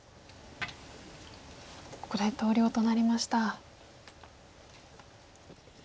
ここで投了となりました。